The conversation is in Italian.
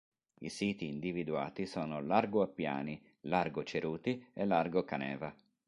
I siti individuati sono largo Appiani, largo Ceruti e largo Caneva.